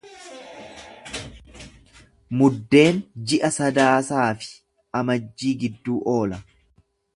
Muddeen ji'a Sadaasaa fi Amajjii gidduu oola.